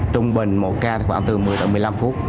trung bình mỗi ca khoảng từ một mươi đến một mươi năm phút